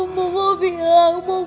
bahwa aku sudah nyatakan dahulu